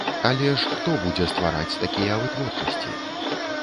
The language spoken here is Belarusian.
Але ж хто будзе ствараць такія вытворчасці?